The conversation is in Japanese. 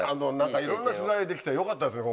いろんな取材ができてよかったですね